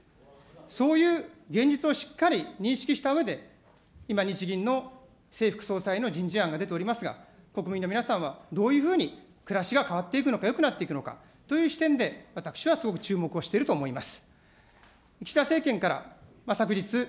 そういう現実をしっかり認識したうえで、今、日銀の正副裁の人事案が出ておりますが、国民の皆さんは、どういうふうに暮らしが変わっていくのか、よくなっていくのかという視点で、私はすごく注目をしていると思います。